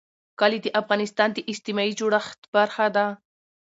کلي د افغانستان د اجتماعي جوړښت برخه ده.